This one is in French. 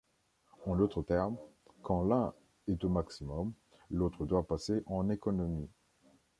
En d'autres termes, quand l'un est au maximum, l'autre doit passer en économie.